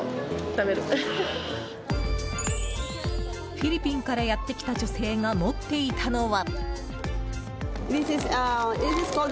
フィリピンからやってきた女性が持っていたのは。